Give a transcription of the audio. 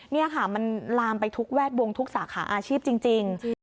นี่ค่ะมันลามไปทุกแวดวงทุกสาขาอาชีพจริง